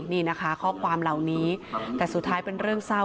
นี่นะคะข้อความเหล่านี้แต่สุดท้ายเป็นเรื่องเศร้า